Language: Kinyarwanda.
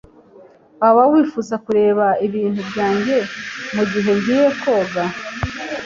Waba wifuza kureba ibintu byanjye mugihe ngiye koga?